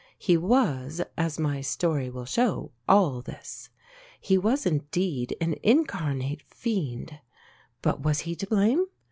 He was, as my story will show, all this. He was indeed an incarnate fiend. But was he to blame?